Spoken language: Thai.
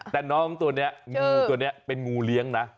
แต่น้องตัวนี้นู้นี่เป็นโรงเรียงนะ